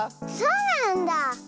そうなんだ。